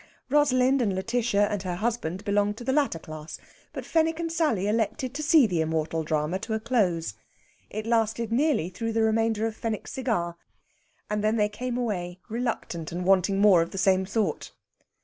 Rosalind and Lætitia and her husband belonged to the latter class, but Fenwick and Sally elected to see the immortal drama to a close. It lasted nearly through the remainder of Fenwick's cigar, and then they came away, reluctant, and wanting more of the same sort.